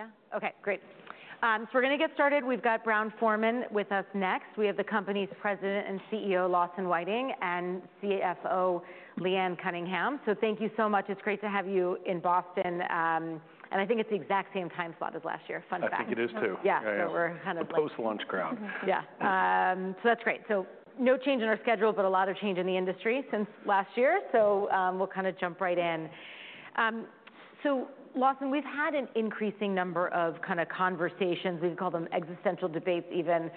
Yeah. Okay, great. So we're gonna get started. We've got Brown-Forman with us next. We have the company's President and CEO, Lawson Whiting, and CFO, Leanne Cunningham. So thank you so much. It's great to have you in Boston, and I think it's the exact same time slot as last year. Fun fact. I think it is, too. Yeah. Yeah. So we're kind of like- The post-launch crowd. Yeah. So that's great. So no change in our schedule, but a lot of change in the industry since last year. So we'll kind of jump right in. So Lawson, we've had an increasing number of kind of conversations, we've called them existential debates even,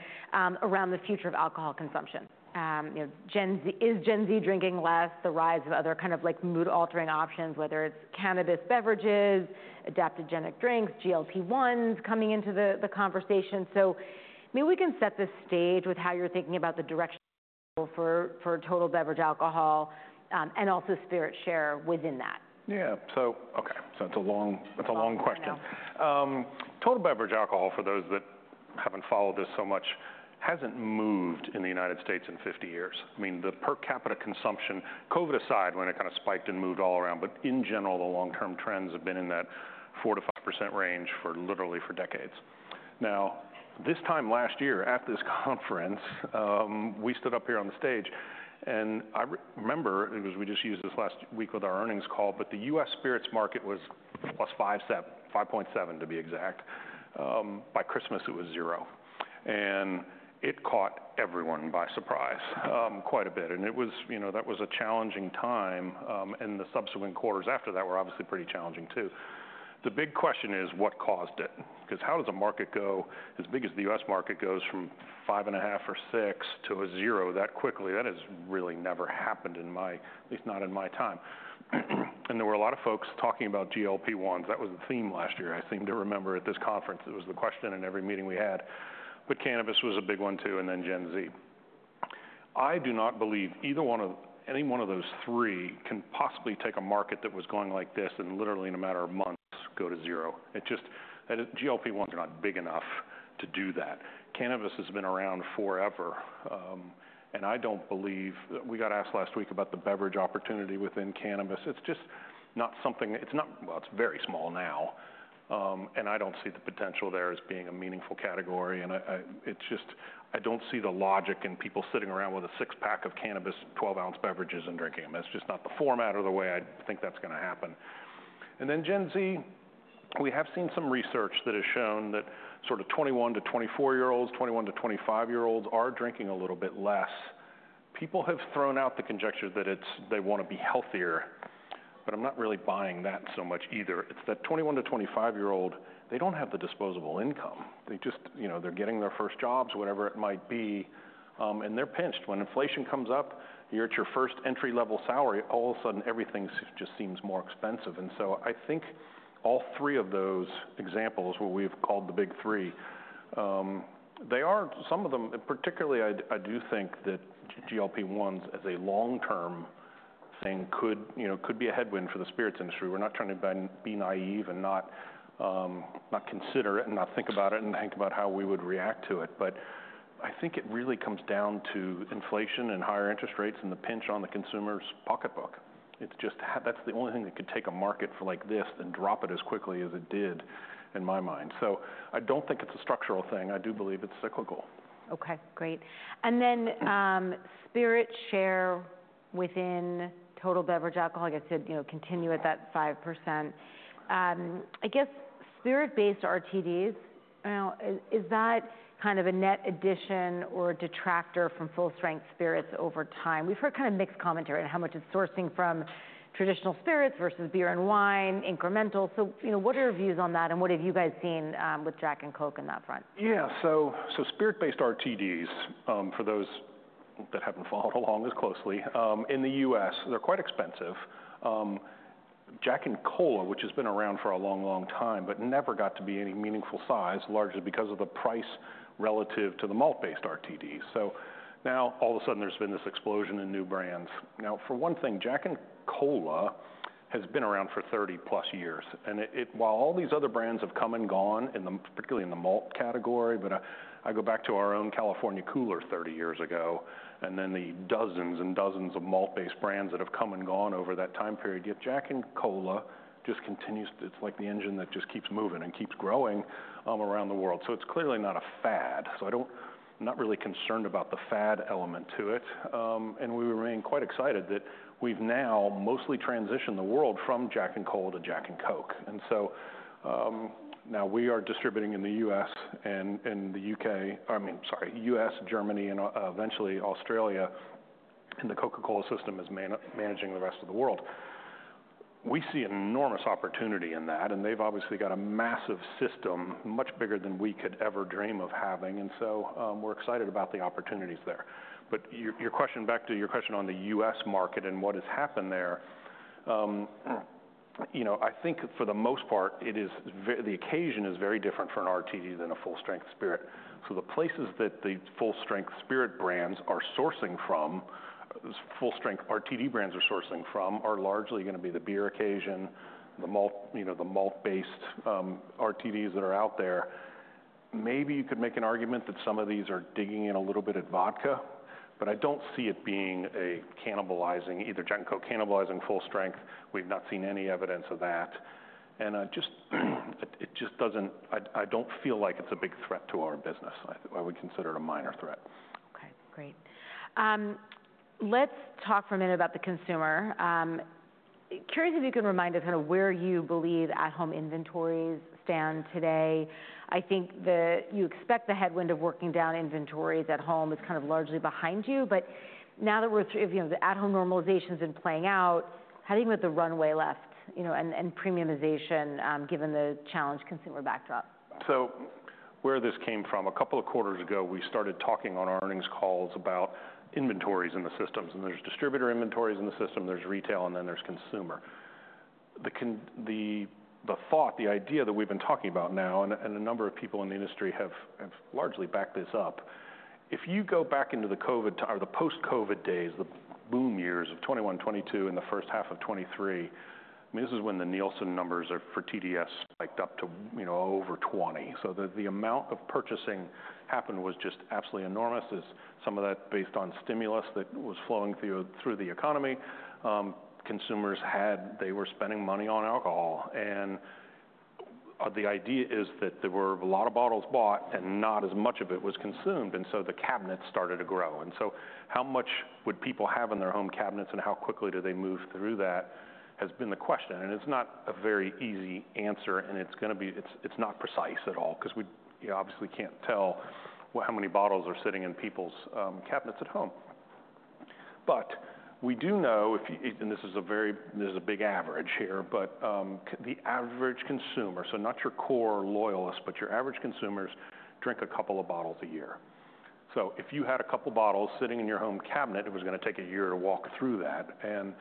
around the future of alcohol consumption. You know, Gen Z - is Gen Z drinking less? The rise of other kind of, like, mood-altering options, whether it's cannabis beverages, adaptogenic drinks, GLP-1s coming into the conversation. So maybe we can set the stage with how you're thinking about the direction for total beverage alcohol, and also spirit share within that. Yeah. So, okay, so it's a long- Long one... That's a long question. I know. Total beverage alcohol, for those that haven't followed this so much, hasn't moved in the United States in fifty years. I mean, the per capita consumption, COVID aside, when it kind of spiked and moved all around, but in general, the long-term trends have been in that 4-5% range for literally decades. Now, this time last year at this conference, we stood up here on the stage, and I remember, it was we just used this last week with our earnings call, but the U.S. spirits market was +5,7, 5.7, to be exact. By Christmas, it was zero, and it caught everyone by surprise, quite a bit, and it was, you know, that was a challenging time, and the subsequent quarters after that were obviously pretty challenging, too. The big question is: What caused it? 'Cause how does a market go as big as the U.S. market goes from five and a half or six to a zero that quickly? That has really never happened in my... at least not in my time. And there were a lot of folks talking about GLP-1s. That was the theme last year, I seem to remember, at this conference. It was the question in every meeting we had, but cannabis was a big one, too, and then Gen Z. I do not believe either one of - any one of those three can possibly take a market that was going like this, and literally, in a matter of months, go to zero. It just - and GLP-1s are not big enough to do that. Cannabis has been around forever, and I don't believe... We got asked last week about the beverage opportunity within cannabis. It's just not something. It's not. Well, it's very small now, and I don't see the potential there as being a meaningful category, and it's just, I don't see the logic in people sitting around with a six-pack of cannabis, twelve-ounce beverages and drinking them. That's just not the format or the way I think that's gonna happen. And then Gen Z, we have seen some research that has shown that sort of 21-24 year olds, 21-25 year olds are drinking a little bit less. People have thrown out the conjecture that it's, they wanna be healthier, but I'm not really buying that so much either. It's that 21-25 year old, they don't have the disposable income. They just... You know, they're getting their first jobs, whatever it might be, and they're pinched. When inflation comes up, you're at your first entry-level salary, all of a sudden, everything just seems more expensive. And so I think all three of those examples, what we've called the big three, they are some of them, particularly, I do think that GLP-1s, as a long-term thing, could, you know, be a headwind for the spirits industry. We're not trying to be naive and not consider it and not think about it and think about how we would react to it. But I think it really comes down to inflation and higher interest rates and the pinch on the consumer's pocketbook. It's just hard. That's the only thing that could take a market like this, then drop it as quickly as it did, in my mind. So I don't think it's a structural thing. I do believe it's cyclical. Okay, great. And then, spirit share within total beverage alcohol, like I said, you know, continue at that 5%. I guess, spirit-based RTDs, now, is that kind of a net addition or detractor from full-strength spirits over time? We've heard kind of mixed commentary on how much it's sourcing from traditional spirits versus beer and wine, incremental. So, you know, what are your views on that, and what have you guys seen, with Jack and Coke on that front? Yeah. So spirit-based RTDs, for those that haven't followed along as closely, in the U.S., they're quite expensive. Jack and Cola, which has been around for a long, long time, but never got to be any meaningful size, largely because of the price relative to the malt-based RTDs. So now, all of a sudden, there's been this explosion in new brands. Now, for one thing, Jack and Cola has been around for 30+ years, and it while all these other brands have come and gone, particularly in the malt category, but I go back to our own California Cooler 30 years ago, and then the dozens and dozens of malt-based brands that have come and gone over that time period, yet Jack and Cola just continues. It's like the engine that just keeps moving and keeps growing around the world. So it's clearly not a fad, so I don't, I'm not really concerned about the fad element to it. And we remain quite excited that we've now mostly transitioned the world from Jack and Cola to Jack and Coke. And so, now we are distributing in the U.S. and in the U.K. I mean, sorry, U.S., Germany, and eventually Australia, and the Coca-Cola system is managing the rest of the world. We see an enormous opportunity in that, and they've obviously got a massive system, much bigger than we could ever dream of having, and so, we're excited about the opportunities there. But your, your question, back to your question on the U.S. market and what has happened there, you know, I think for the most part, the occasion is very different for an RTD than a full-strength spirit. So the places that the full-strength spirit brands are sourcing from, full-strength RTD brands are sourcing from, are largely gonna be the beer occasion, the malt, you know, the malt-based RTDs that are out there. Maybe you could make an argument that some of these are digging in a little bit at vodka, but I don't see it being a cannibalizing, either Jack and Coke cannibalizing full strength. We've not seen any evidence of that. And just, it just doesn't. I don't feel like it's a big threat to our business. I would consider it a minor threat. Okay, great. Let's talk for a minute about the consumer. Curious if you could remind us kind of where you believe at-home inventories stand today. You expect the headwind of working down inventories at home is kind of largely behind you, but now that we're, you know, the at-home normalization has been playing out, how do you think about the runway left, you know, and, and premiumization, given the challenged consumer backdrop? So where this came from, a couple of quarters ago, we started talking on our earnings calls about inventories in the systems, and there's distributor inventories in the system, there's retail, and then there's consumer. The thought, the idea that we've been talking about now, and a number of people in the industry have largely backed this up. If you go back into the COVID, or the post-COVID days, the boom years of 2021, 2022, and the first half of 2023, I mean, this is when the Nielsen numbers are, for TDS, spiked up to, you know, over 20. So the amount of purchasing happened was just absolutely enormous. As some of that based on stimulus that was flowing through the economy, they were spending money on alcohol, and the idea is that there were a lot of bottles bought, and not as much of it was consumed, and so the cabinets started to grow, and so how much would people have in their home cabinets, and how quickly do they move through that, has been the question, and it's not a very easy answer, and it's gonna be. It's not precise at all, 'cause we, you know, obviously can't tell how many bottles are sitting in people's cabinets at home, but we do know, and this is a big average here, but the average consumer, so not your core loyalist, but your average consumers drink a couple of bottles a year. So if you had a couple bottles sitting in your home cabinet, it was gonna take a year to walk through that. And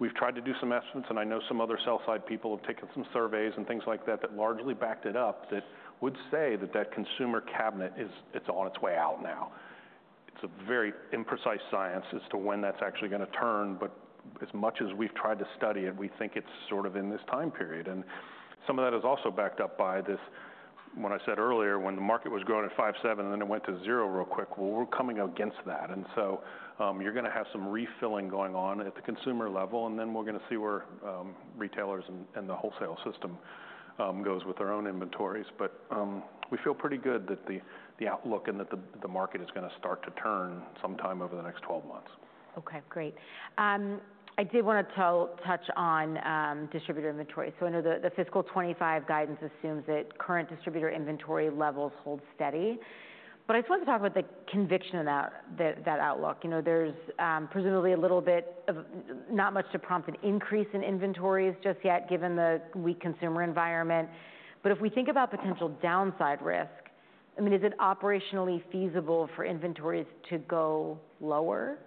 we've tried to do some estimates, and I know some other sell-side people have taken some surveys and things like that, that largely backed it up, that would say that that consumer cabinet it's on its way out now. It's a very imprecise science as to when that's actually gonna turn, but as much as we've tried to study it, we think it's sort of in this time period. And some of that is also backed up by this, what I said earlier, when the market was growing at 5-7%, and then it went to 0% real quick. We're coming against that, and so, you're gonna have some refilling going on at the consumer level, and then we're gonna see where retailers and the wholesale system goes with their own inventories, but we feel pretty good that the outlook and that the market is gonna start to turn sometime over the next twelve months. Okay, great. I did wanna touch on distributor inventory. So I know the fiscal 2025 guidance assumes that current distributor inventory levels hold steady, but I just wanted to talk about the conviction in that outlook. You know, there's presumably a little bit of... Not much to prompt an increase in inventories just yet, given the weak consumer environment. But if we think about potential downside risk, I mean, is it operationally feasible for inventories to go lower?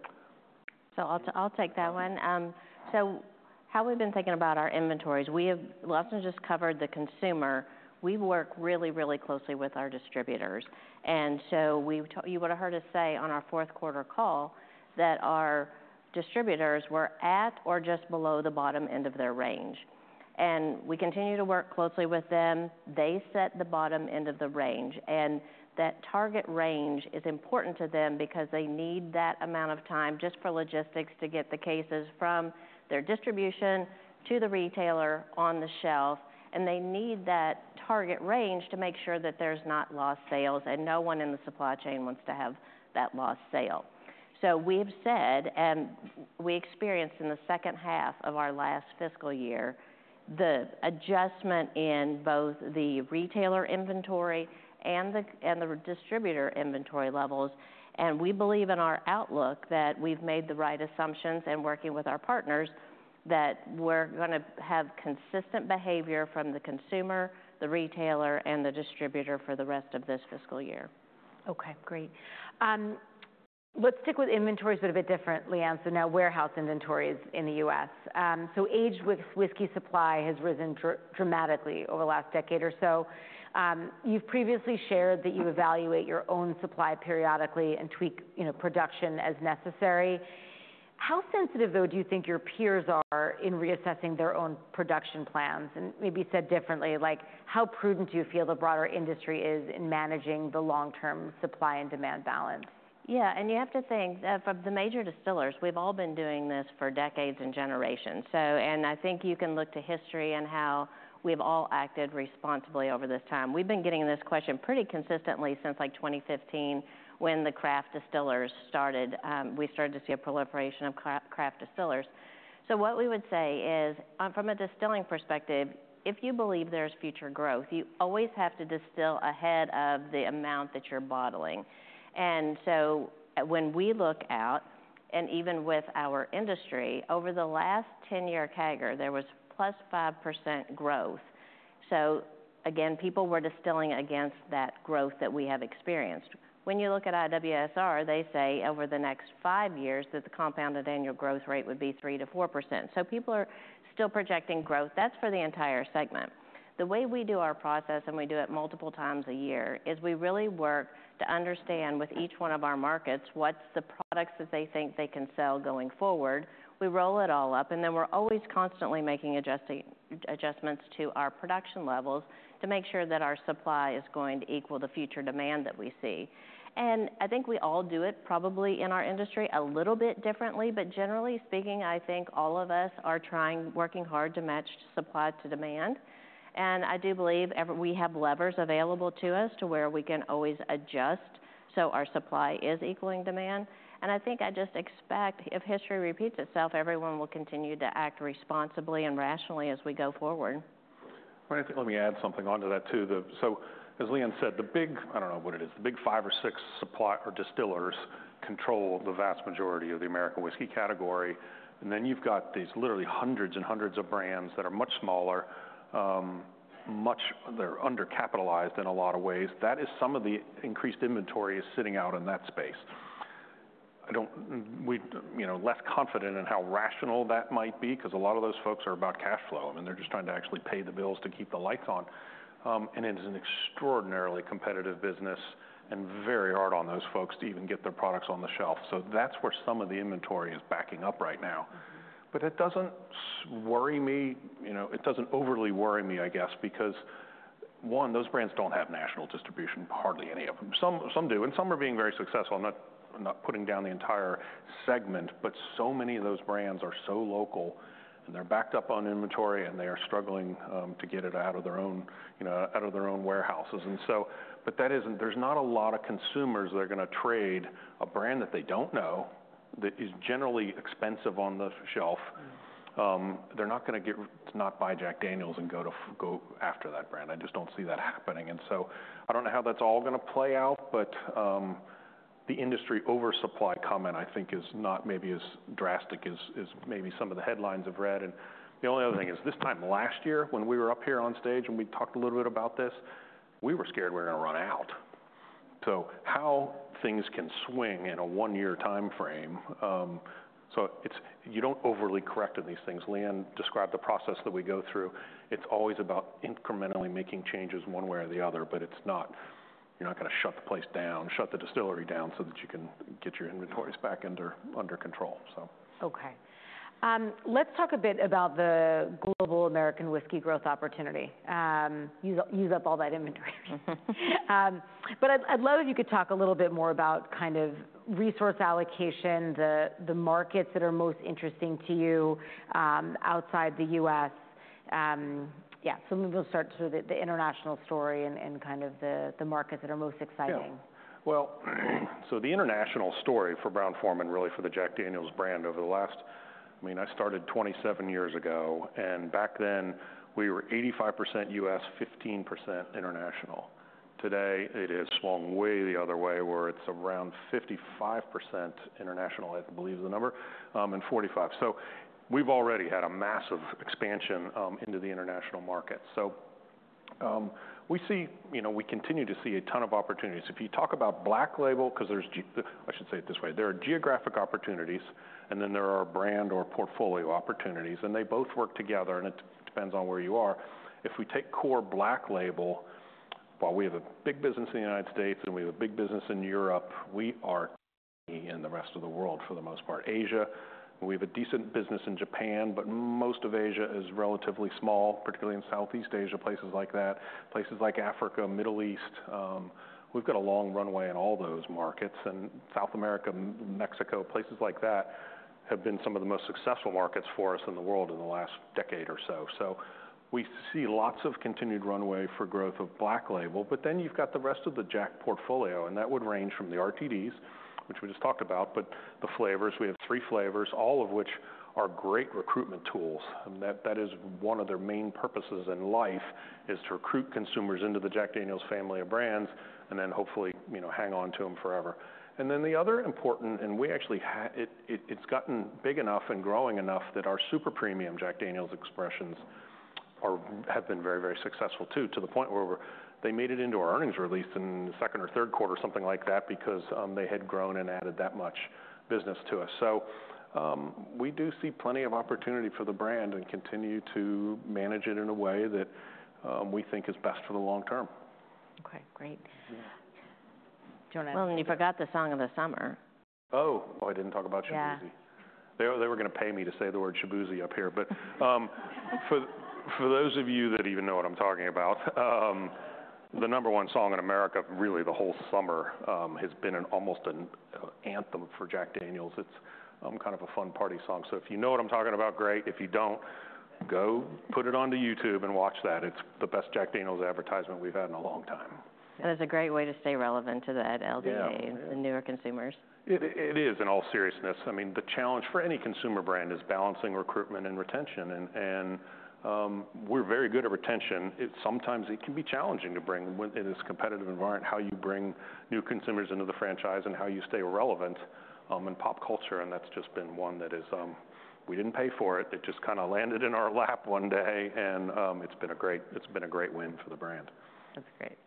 So I'll take that one. So how we've been thinking about our inventories, we have. Lawson just covered the consumer. We work really, really closely with our distributors, and so we've told. You would have heard us say on our fourth quarter call that our distributors were at or just below the bottom end of their range. And we continue to work closely with them. They set the bottom end of the range, and that target range is important to them because they need that amount of time just for logistics, to get the cases from their distribution to the retailer on the shelf, and they need that target range to make sure that there's not lost sales, and no one in the supply chain wants to have that lost sale. So we've said, and we experienced in the second half of our last fiscal year, the adjustment in both the retailer inventory and the distributor inventory levels, and we believe in our outlook that we've made the right assumptions in working with our partners, that we're gonna have consistent behavior from the consumer, the retailer, and the distributor for the rest of this fiscal year. Okay, great. Let's stick with inventories, but a bit differently, Leanne, so now warehouse inventories in the U.S. So aged whiskey supply has risen dramatically over the last decade or so. You've previously shared that you evaluate your own supply periodically and tweak, you know, production as necessary. How sensitive, though, do you think your peers are in reassessing their own production plans? And maybe said differently, like, how prudent do you feel the broader industry is in managing the long-term supply and demand balance? Yeah, and you have to think, from the major distillers, we've all been doing this for decades and generations. So, and I think you can look to history and how we've all acted responsibly over this time. We've been getting this question pretty consistently since, like, 2015, when the craft distillers started, we started to see a proliferation of craft distillers. So what we would say is, from a distilling perspective, if you believe there's future growth, you always have to distill ahead of the amount that you're bottling. And so when we look out, and even with our industry, over the last ten-year CAGR, there was +5% growth. So again, people were distilling against that growth that we have experienced. When you look at IWSR, they say over the next five years, that the compounded annual growth rate would be 3-4%. So people are still projecting growth. That's for the entire segment. The way we do our process, and we do it multiple times a year, is we really work to understand with each one of our markets what's the products that they think they can sell going forward. We roll it all up, and then we're always constantly making adjustments to our production levels to make sure that our supply is going to equal the future demand that we see. And I think we all do it, probably, in our industry a little bit differently, but generally speaking, I think all of us are trying, working hard to match supply to demand. I do believe we have levers available to us to where we can always adjust, so our supply is equaling demand. I think I just expect, if history repeats itself, everyone will continue to act responsibly and rationally as we go forward. I think let me add something onto that, too. As Leanne said, the big, I don't know what it is, the big five or six suppliers or distillers control the vast majority of the American whiskey category. And then you've got these literally hundreds and hundreds of brands that are much smaller. They're undercapitalized in a lot of ways. That is some of the increased inventory is sitting out in that space. We, you know, less confident in how rational that might be, 'cause a lot of those folks are about cash flow, and they're just trying to actually pay the bills to keep the lights on. And it is an extraordinarily competitive business and very hard on those folks to even get their products on the shelf. That's where some of the inventory is backing up right now. But it doesn't worry me, you know. It doesn't overly worry me, I guess, because, one, those brands don't have national distribution, hardly any of them. Some do, and some are being very successful. I'm not, I'm not putting down the entire segment, but so many of those brands are so local, and they're backed up on inventory, and they are struggling to get it out of their own, you know, out of their own warehouses. And so, but that isn't. There's not a lot of consumers that are gonna trade a brand that they don't know, that is generally expensive on the shelf. They're not gonna, not buy Jack Daniel's and go to, go after that brand. I just don't see that happening. And so I don't know how that's all gonna play out, but the industry oversupply comment, I think, is not maybe as drastic as maybe some of the headlines have read, and the only other thing is, this time last year, when we were up here on stage and we talked a little bit about this, we were scared we were gonna run out, so how things can swing in a one-year timeframe. You don't overly correct in these things. Leanne described the process that we go through. It's always about incrementally making changes one way or the other, but it's not. You're not gonna shut the place down, shut the distillery down so that you can get your inventories back under, under control, so. Okay. Let's talk a bit about the global American whiskey growth opportunity. Use up all that inventory. But I'd love if you could talk a little bit more about kind of resource allocation, the markets that are most interesting to you, outside the U.S. Yeah, so maybe we'll start with the international story and kind of the markets that are most exciting. Yeah. Well, so the international story for Brown-Forman, really for the Jack Daniel's brand, over the last... I mean, I started 27 years ago, and back then, we were 85% U.S., 15% international. Today, it has swung way the other way, where it's around 55% international, I believe, is the number, and 45%. So we've already had a massive expansion into the international market. So, we see, you know, we continue to see a ton of opportunities. If you talk about Black Label, 'cause there's I should say it this way: There are geographic opportunities, and then there are brand or portfolio opportunities, and they both work together, and it depends on where you are. If we take core Black Label, while we have a big business in the United States, and we have a big business in Europe, we are in the rest of the world for the most part. Asia, we have a decent business in Japan, but most of Asia is relatively small, particularly in Southeast Asia, places like that. Places like Africa, Middle East, we've got a long runway in all those markets, and South America, Mexico, places like that, have been some of the most successful markets for us in the world in the last decade or so, we see lots of continued runway for growth of Black Label, but then you've got the rest of the Jack portfolio, and that would range from the RTDs, which we just talked about, but the flavors, we have three flavors, all of which are great recruitment tools. And that is one of their main purposes in life, is to recruit consumers into the Jack Daniel's family of brands and then hopefully, you know, hang on to them forever. And then the other important, and we actually have it, it's gotten big enough and growing enough, that our super premium Jack Daniel's expressions have been very, very successful, too, to the point where they made it into our earnings release in the second or third quarter, something like that, because they had grown and added that much business to us. So, we do see plenty of opportunity for the brand and continue to manage it in a way that we think is best for the long term. Okay, great. Yeah. Well, and you forgot the song of the summer. Oh! Oh, I didn't talk about Shaboozey. Yeah. They were gonna pay me to say the word Shaboozey up here. But for those of you that even know what I'm talking about, the number one song in America, really the whole summer, has been almost an anthem for Jack Daniel's. It's kind of a fun party song. So if you know what I'm talking about, great. If you don't, go put it onto YouTube and watch that. It's the best Jack Daniel's advertisement we've had in a long time. And it's a great way to stay relevant to that LDA. Yeah.... the newer consumers. It is, in all seriousness. I mean, the challenge for any consumer brand is balancing recruitment and retention, and we're very good at retention. It sometimes can be challenging to bring in, in this competitive environment, how you bring new consumers into the franchise and how you stay relevant in pop culture, and that's just been one that is. We didn't pay for it. It just kinda landed in our lap one day, and it's been a great, it's been a great win for the brand. That's great.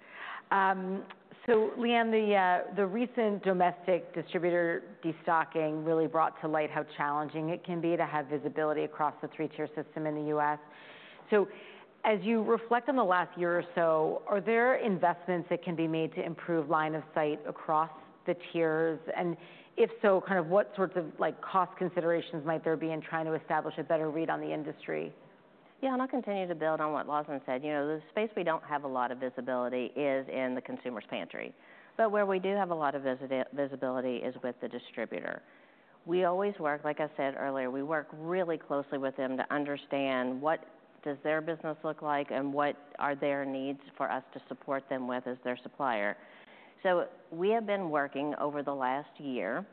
So, Leanne, the recent domestic distributor destocking really brought to light how challenging it can be to have visibility across the three-tier system in the U.S., so as you reflect on the last year or so, are there investments that can be made to improve line of sight across the tiers? And if so, kind of what sorts of, like, cost considerations might there be in trying to establish a better read on the industry? Yeah, and I'll continue to build on what Lawson said. You know, the space we don't have a lot of visibility is in the consumer's pantry, but where we do have a lot of visibility is with the distributor. We always work, like I said earlier, really closely with them to understand what does their business look like and what are their needs for us to support them with as their supplier. So we have been working over the last year,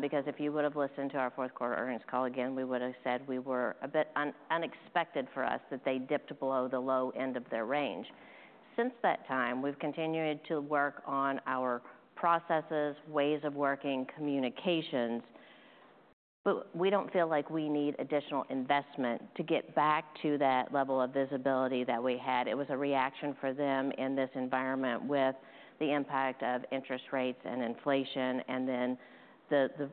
because if you would have listened to our fourth quarter earnings call, again, we would have said we were a bit unexpected for us, that they dipped below the low end of their range. Since that time, we've continued to work on our processes, ways of working, communications, but we don't feel like we need additional investment to get back to that level of visibility that we had. It was a reaction for them in this environment with the impact of interest rates and inflation, and then the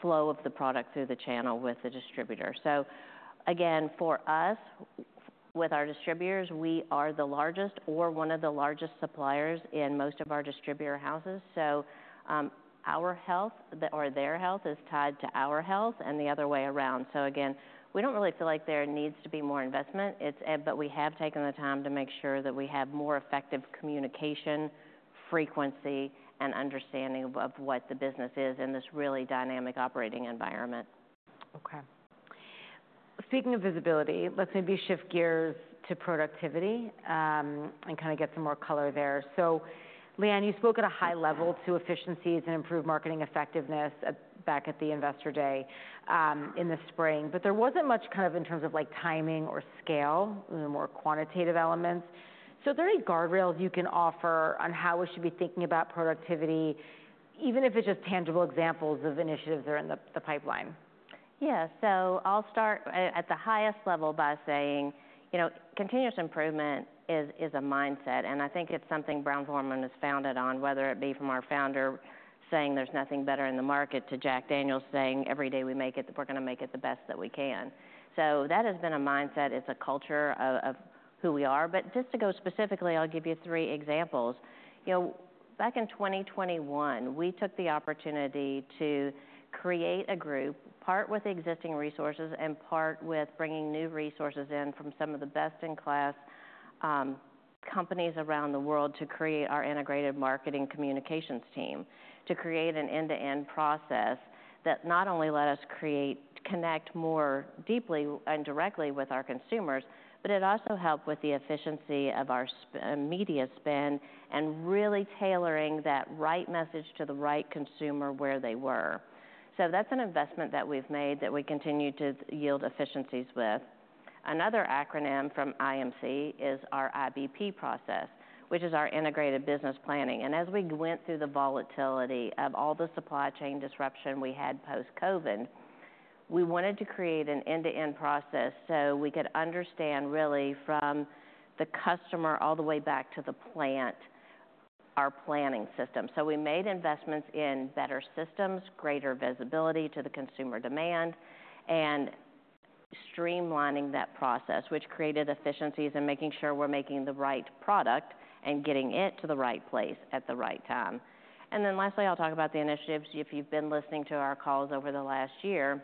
flow of the product through the channel with the distributor. So again, for us, with our distributors, we are the largest or one of the largest suppliers in most of our distributor houses. So, our health, or their health is tied to our health and the other way around. So again, we don't really feel like there needs to be more investment. But we have taken the time to make sure that we have more effective communication, frequency, and understanding of what the business is in this really dynamic operating environment. Okay. Speaking of visibility, let's maybe shift gears to productivity, and kind of get some more color there. So, Leanne, you spoke at a high level to efficiencies and improved marketing effectiveness back at the Investor Day, in the spring, but there wasn't much kind of in terms of like timing or scale, the more quantitative elements. So are there any guardrails you can offer on how we should be thinking about productivity, even if it's just tangible examples of initiatives that are in the pipeline? Yeah. So I'll start at the highest level by saying, you know, continuous improvement is a mindset, and I think it's something Brown-Forman is founded on, whether it be from our founder saying, "There's nothing better in the market," to Jack Daniel's saying, "Every day we make it, we're gonna make it the best that we can." So that has been a mindset. It's a culture of who we are. But just to go specifically, I'll give you three examples. You know, back in 2021, we took the opportunity to create a group, part with existing resources and part with bringing new resources in from some of the best-in-class companies around the world, to create our integrated marketing communications team, to create an end-to-end process that not only let us connect more deeply and directly with our consumers, but it also helped with the efficiency of our media spend, and really tailoring that right message to the right consumer where they were. So that's an investment that we've made, that we continue to yield efficiencies with. Another acronym from IMC is our IBP process, which is our integrated business planning. And as we went through the volatility of all the supply chain disruption we had post-COVID, we wanted to create an end-to-end process so we could understand really from the customer all the way back to the plant, our planning system. So we made investments in better systems, greater visibility to the consumer demand, and streamlining that process, which created efficiencies in making sure we're making the right product and getting it to the right place at the right time. And then lastly, I'll talk about the initiatives. If you've been listening to our calls over the last year,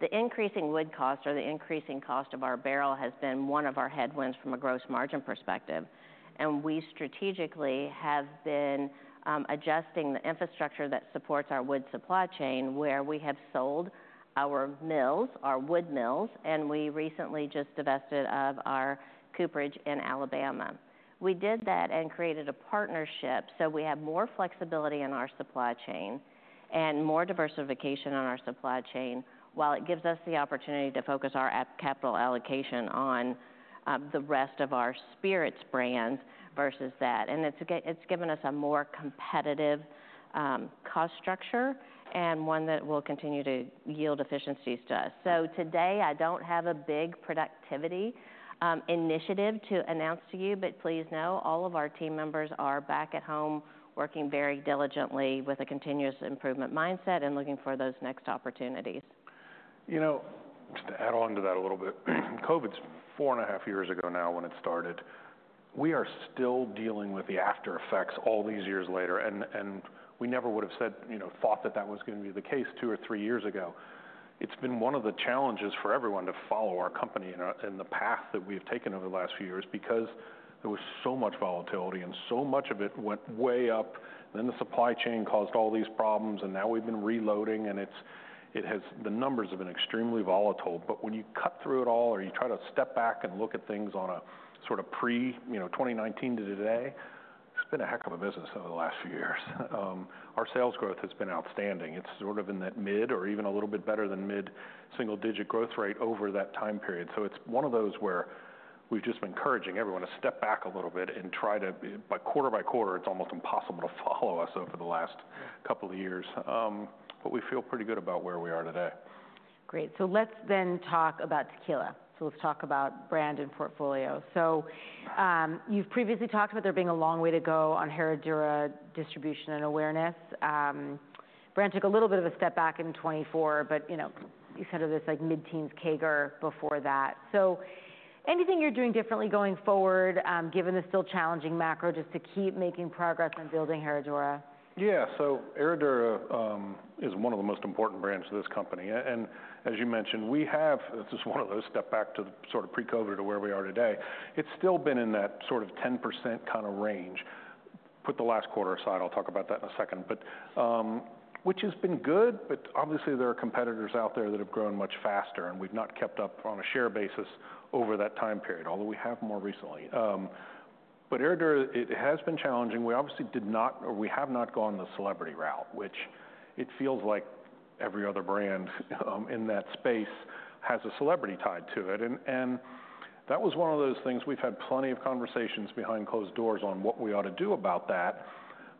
the increasing wood costs or the increasing cost of our barrel has been one of our headwinds from a gross margin perspective. We strategically have been adjusting the infrastructure that supports our wood supply chain, where we have sold our mills, our wood mills, and we recently just divested of our cooperage in Alabama. We did that and created a partnership, so we have more flexibility in our supply chain and more diversification on our supply chain, while it gives us the opportunity to focus our capital allocation on the rest of our spirits brands versus that. It's given us a more competitive cost structure and one that will continue to yield efficiencies to us. Today, I don't have a big productivity initiative to announce to you, but please know all of our team members are back at home, working very diligently with a continuous improvement mindset and looking for those next opportunities. You know, just to add on to that a little bit, COVID's four and a half years ago now when it started. We are still dealing with the aftereffects all these years later, and we never would have said, you know, thought that that was gonna be the case two or three years ago. It's been one of the challenges for everyone to follow our company and the path that we've taken over the last few years because there was so much volatility and so much of it went way up, and then the supply chain caused all these problems, and now we've been reloading, and it's. It has. The numbers have been extremely volatile. But when you cut through it all or you try to step back and look at things on a sort of pre, you know, 2019 to today, it's been a heck of a business over the last few years. Our sales growth has been outstanding. It's sort of in that mid or even a little bit better than mid-single digit growth rate over that time period. So it's one of those where we've just been encouraging everyone to step back a little bit and try to... By quarter-by-quarter, it's almost impossible to follow us over the last couple of years. But we feel pretty good about where we are today.... Great! Let's then talk about tequila. Let's talk about brand and portfolio. You've previously talked about there being a long way to go on Herradura distribution and awareness. The brand took a little bit of a step back in 2024, but, you know, you said it was like mid-teens CAGR before that. Anything you're doing differently going forward, given the still challenging macro, just to keep making progress on building Herradura? Yeah. So Herradura is one of the most important brands to this company. And as you mentioned, this is one of those step back to the sort of pre-COVID to where we are today. It's still been in that sort of 10% kind of range. Put the last quarter aside, I'll talk about that in a second, but which has been good, but obviously, there are competitors out there that have grown much faster, and we've not kept up on a share basis over that time period, although we have more recently. But Herradura, it has been challenging. We obviously did not, or we have not gone the celebrity route, which it feels like every other brand in that space has a celebrity tied to it. And that was one of those things. We've had plenty of conversations behind closed doors on what we ought to do about that,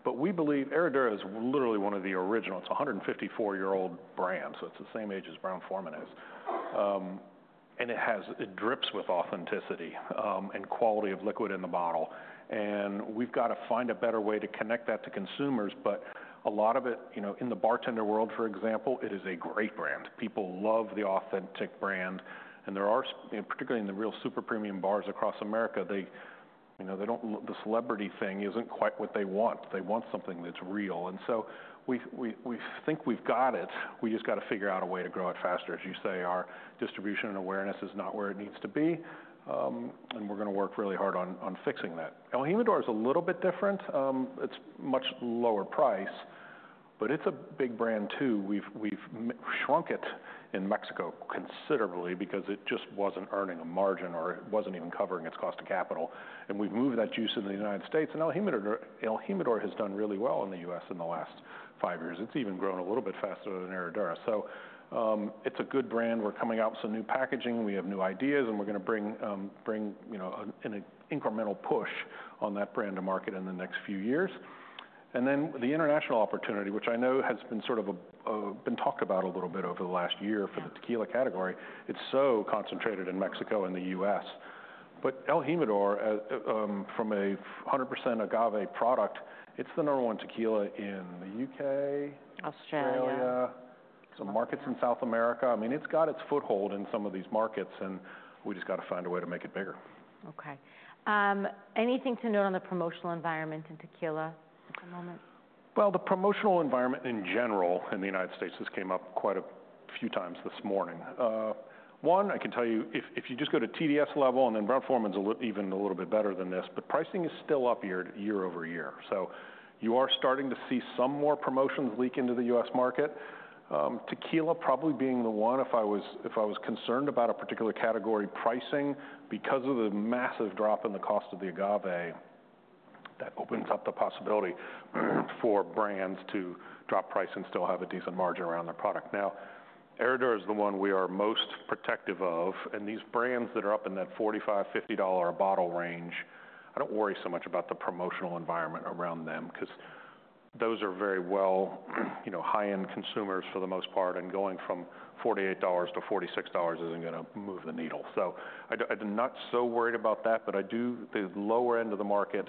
but we believe Herradura is literally one of the originals. It's a hundred and fifty-four-year-old brand, so it's the same age as Brown-Forman is. And it drips with authenticity, and quality of liquid in the bottle, and we've got to find a better way to connect that to consumers. But a lot of it, you know, in the bartender world, for example, it is a great brand. People love the authentic brand, and particularly in the real super premium bars across America, they, you know, they don't like the celebrity thing isn't quite what they want. They want something that's real, and so we think we've got it. We just got to figure out a way to grow it faster. As you say, our distribution and awareness is not where it needs to be, and we're gonna work really hard on, on fixing that. El Jimador is a little bit different. It's much lower price, but it's a big brand, too. We've shrunk it in Mexico considerably because it just wasn't earning a margin or it wasn't even covering its cost of capital, and we've moved that juice into the United States, and El Jimador, El Jimador has done really well in the U.S. in the last five years. It's even grown a little bit faster than Herradura. So, it's a good brand. We're coming out with some new packaging. We have new ideas, and we're gonna bring, bring, you know, an, an incremental push on that brand to market in the next few years. And then, the international opportunity, which I know has been sort of talked about a little bit over the last year for the tequila category. It's so concentrated in Mexico and the U.S. But El Jimador from a 100% agave product, it's the number one tequila in the U.K.- Australia... Australia, some markets in South America. I mean, it's got its foothold in some of these markets, and we just got to find a way to make it bigger. Okay. Anything to note on the promotional environment in tequila at the moment? The promotional environment in general in the United States, this came up quite a few times this morning. One, I can tell you if you just go to TDS level, and then Brown-Forman is even a little bit better than this, but pricing is still up year over year. So you are starting to see some more promotions leak into the U.S. market. Tequila probably being the one, if I was concerned about a particular category pricing because of the massive drop in the cost of the agave, that opens up the possibility for brands to drop price and still have a decent margin around their product. Now, Herradura is the one we are most protective of, and these brands that are up in that $45-$50 a bottle range, I don't worry so much about the promotional environment around them because those are very well, you know, high-end consumers for the most part, and going from $48-$46 isn't gonna move the needle. So I'm not so worried about that, but I do. The lower end of the market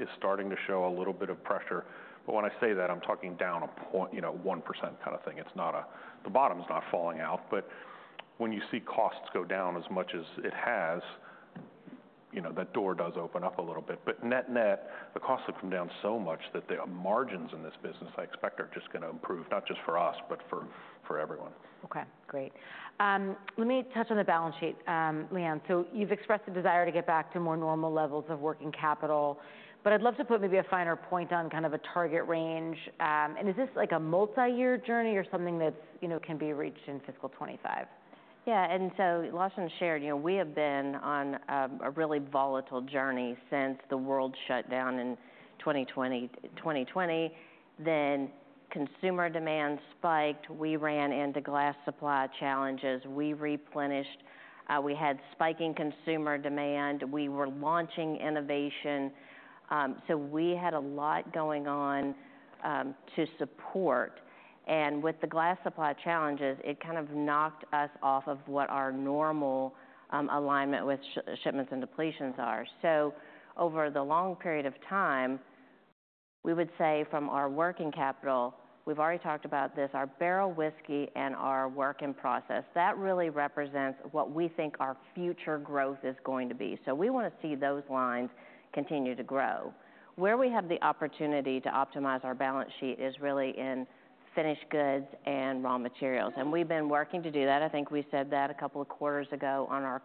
is starting to show a little bit of pressure. But when I say that, I'm talking down a point, you know, 1% kind of thing. It's not a. The bottom is not falling out. But when you see costs go down as much as it has, you know, that door does open up a little bit. But net-net, the costs have come down so much that the margins in this business, I expect, are just gonna improve, not just for us, but for everyone. Okay, great. Let me touch on the balance sheet, Leanne, so you've expressed the desire to get back to more normal levels of working capital, but I'd love to put maybe a finer point on kind of a target range, and is this like a multi-year journey or something that's, you know, can be reached in fiscal 2025? Yeah, and so Lawson shared, you know, we have been on a really volatile journey since the world shut down in 2020, 2020. Then consumer demand spiked. We ran into glass supply challenges. We replenished. We had spiking consumer demand. We were launching innovation. So we had a lot going on to support. And with the glass supply challenges, it kind of knocked us off of what our normal alignment with shipments and depletions are. So over the long period of time, we would say from our working capital, we've already talked about this, our barrel whiskey and our work in process, that really represents what we think our future growth is going to be. So we wanna see those lines continue to grow. Where we have the opportunity to optimize our balance sheet is really in finished goods and raw materials, and we've been working to do that. I think we said that a couple of quarters ago on our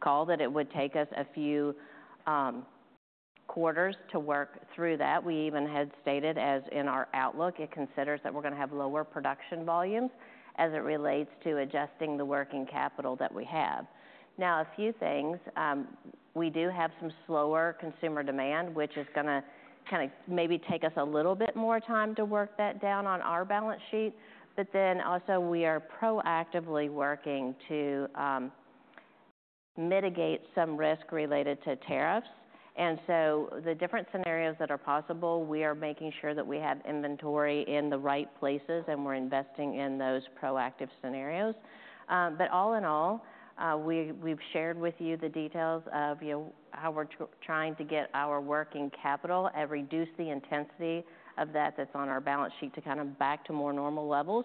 call that it would take us a few quarters to work through that. We even had stated, as in our outlook, it considers that we're gonna have lower production volumes as it relates to adjusting the working capital that we have. Now, a few things. We do have some slower consumer demand, which is gonna kinda maybe take us a little bit more time to work that down on our balance sheet. But then also, we are proactively working to mitigate some risk related to tariffs. And so the different scenarios that are possible, we are making sure that we have inventory in the right places, and we're investing in those proactive scenarios. But all in all, we've shared with you the details of, you know, how we're trying to get our working capital and reduce the intensity of that that's on our balance sheet to kind of back to more normal levels.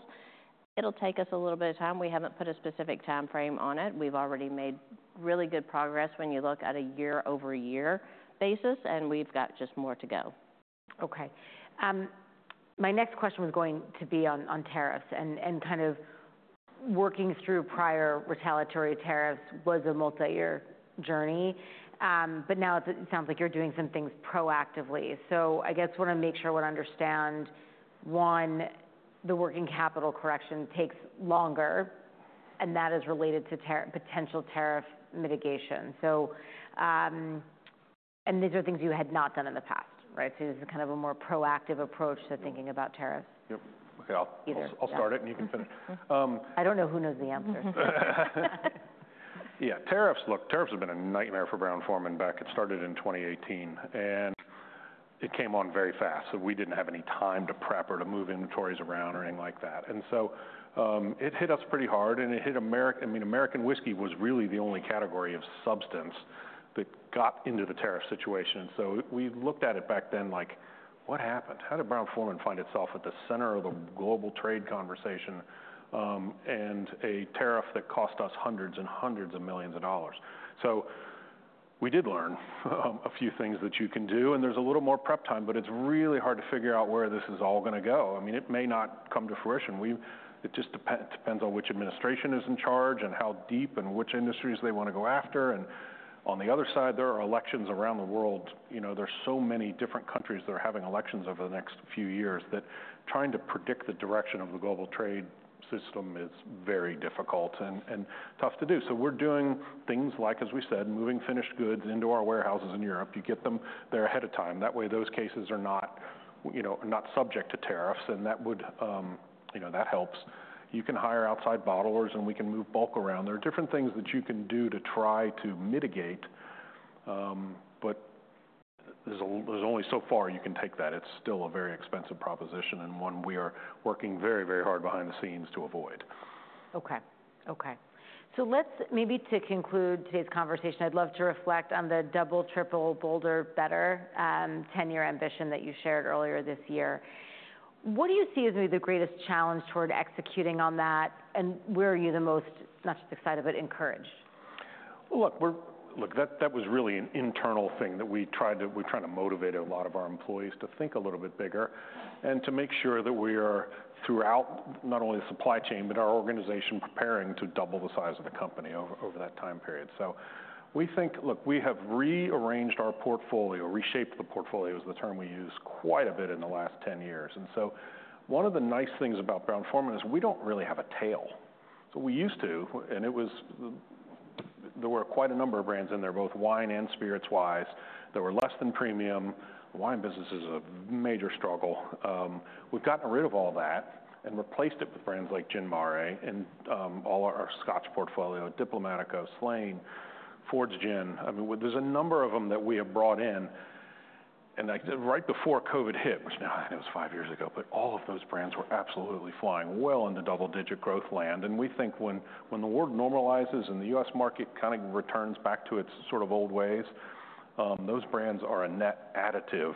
It'll take us a little bit of time. We haven't put a specific timeframe on it. We've already made really good progress when you look at a year-over-year basis, and we've got just more to go. Okay. My next question was going to be on tariffs, and kind of working through prior retaliatory tariffs was a multi-year journey. But now it sounds like you're doing some things proactively. So I guess I wanna make sure I understand, one, the working capital correction takes longer, and that is related to potential tariff mitigation. So, and these are things you had not done in the past, right? So this is kind of a more proactive approach to thinking- Yeah -about tariffs. Yep. Okay, I'll- Either, yeah... I'll start it, and you can finish. I don't know who knows the answer. Yeah, tariffs. Look, tariffs have been a nightmare for Brown-Forman when it started in 2018, and it came on very fast, so we didn't have any time to prep or to move inventories around or anything like that. And so, it hit us pretty hard, and it hit American whiskey. I mean, American whiskey was really the only category of substance that got into the tariff situation. So we looked at it back then, like, "What happened? How did Brown-Forman find itself at the center of the global trade conversation, and a tariff that cost us hundreds and hundreds of millions of dollars?" So we did learn a few things that you can do, and there's a little more prep time, but it's really hard to figure out where this is all gonna go. I mean, it may not come to fruition. It just depends on which administration is in charge, and how deep and which industries they want to go after, and on the other side, there are elections around the world. You know, there are so many different countries that are having elections over the next few years, that trying to predict the direction of the global trade system is very difficult and tough to do, so we're doing things like, as we said, moving finished goods into our warehouses in Europe. You get them there ahead of time. That way, those cases are not, you know, subject to tariffs, and that would, you know, that helps. You can hire outside bottlers, and we can move bulk around. There are different things that you can do to try to mitigate, but there's only so far you can take that. It's still a very expensive proposition, and one we are working very, very hard behind the scenes to avoid. Okay, okay. So let's maybe to conclude today's conversation, I'd love to reflect on the double, triple, bolder, better, 10-year ambition that you shared earlier this year. What do you see as maybe the greatest challenge toward executing on that, and where are you the most, not just excited, but encouraged? Look, we're trying to motivate a lot of our employees to think a little bit bigger and to make sure that we are, throughout not only the supply chain, but our organization, preparing to double the size of the company over that time period. So we think. Look, we have rearranged our portfolio, reshaped the portfolio is the term we use, quite a bit in the last 10 years. And so one of the nice things about Brown-Forman is we don't really have a tail. We used to, and it was. There were quite a number of brands in there, both wine and spirits wise, that were less than premium. The wine business is a major struggle. We've gotten rid of all that and replaced it with brands like Gin Mare and all our Scotch portfolio, Diplomático, Slane, Fords Gin. I mean, well, there's a number of them that we have brought in, and, like, right before COVID hit, which now I know it was five years ago, but all of those brands were absolutely flying well into double-digit growth land. We think when the world normalizes, and the U.S. market kind of returns back to its sort of old ways, those brands are a net additive.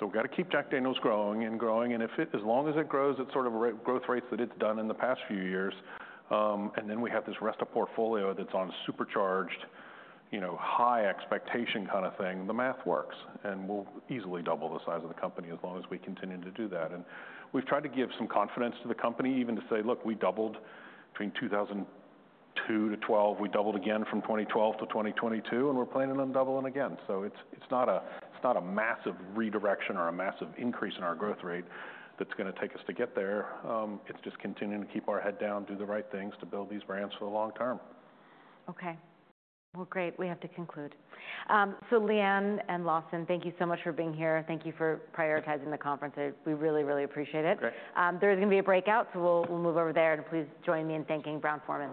We've got to keep Jack Daniel's growing and growing, and as long as it grows at sort of a growth rates that it's done in the past few years, and then we have this rest of portfolio that's on supercharged, you know, high expectation kind of thing, the math works. We'll easily double the size of the company as long as we continue to do that. We've tried to give some confidence to the company, even to say, "Look, we doubled between 2002-2012. We doubled again from 2012-2022, and we're planning on doubling again." So it's not a massive redirection or a massive increase in our growth rate that's gonna take us to get there. It's just continuing to keep our head down, do the right things to build these brands for the long term. Okay. Well, great, we have to conclude. So Leanne and Lawson, thank you so much for being here. Thank you for prioritizing the conference today. We really, really appreciate it. Great. There's gonna be a breakout, so we'll move over there, and please join me in thanking Brown-Forman.